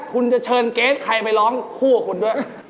คุณจะเชิญเกรทใครไปร้องคู่กับคุณด้วย